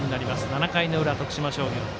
７回の裏、徳島商業。